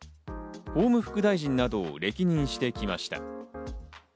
法務副大臣などを歴任してきました。